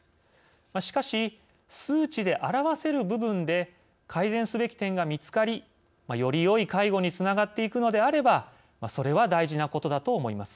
しかし、数値で表せる部分で改善すべき点が見つかりよりよい介護につながっていくのであればそれは大事なことだと思います。